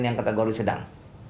yang kategori sedang